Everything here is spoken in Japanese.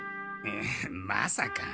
えっまさか。